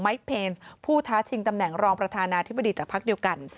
เพลนผู้ท้าชิงตำแหน่งรองประธานาธิบดีจากพักเดียวกัน